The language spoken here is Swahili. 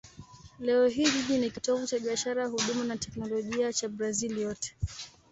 Leo hii jiji ni kitovu cha biashara, huduma na teknolojia cha Brazil yote.